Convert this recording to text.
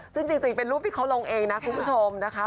ซึ่งจริงเป็นรูปที่เขาลงเองนะคุณผู้ชมนะคะ